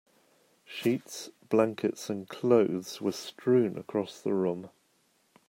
Sheets, blankets, and clothes were strewn across the room.